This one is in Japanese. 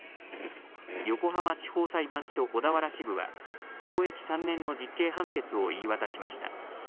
横浜地方裁判所小田原支部は、懲役３年の実刑判決を言い渡しました。